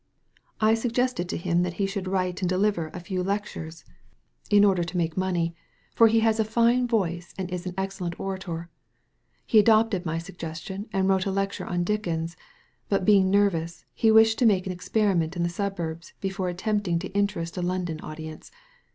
I suggested to him that he should write and deliver a Digitized by Google 146 THE LADY FROM NOWHERE few lectures in order to make money, for he has a fine voice and is an excellent orator. He adopted my suggestion and wrote a lecture on Dickens ; but being nervous, he wished to make an experiment in the suburbs, before attempting to interest a London audience.